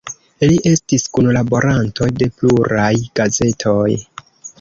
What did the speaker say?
Li estis kunlaboranto de pluraj gazetoj.